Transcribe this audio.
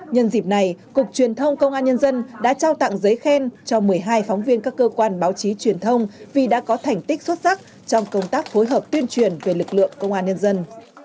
nhân dịp này cục truyền thông công an nhân dân đã trao tặng giấy khen cho một mươi hai phóng viên các cơ quan báo chí truyền thông vì đã có thành tích xuất sắc trong công tác phối hợp tuyên truyền về lực lượng công an nhân dân